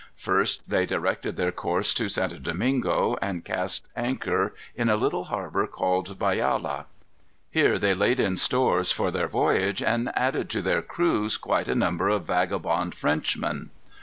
First they directed their course to St. Domingo, and cast anchor in a little harbor called Bayala. Here they laid in stores for their voyage, and added to their crews quite a number of vagabond Frenchmen.